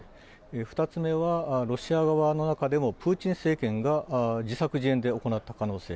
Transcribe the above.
２つ目は、ロシア側の中でもプーチン政権が自作自演で行った可能性。